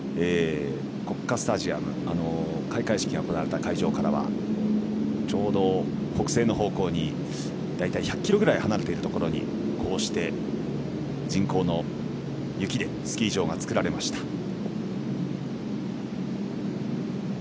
国家スタジアム開会式が行われた会場からはちょうど北西方向に大体１００ｋｍぐらい離れたところにこうして人工の雪でスキー場が作られました。